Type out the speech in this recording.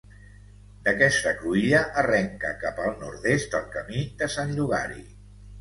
D'aquesta cruïlla arrenca cap al nord-est el Camí de Sant Llogari.